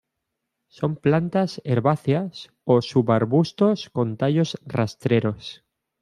Son plantas herbáceas o subarbustos con tallos rastreros.